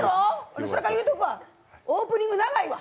オープニング長いわ。